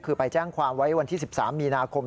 คือไปแจ้งความไว้วันที่๑๓มีนาคม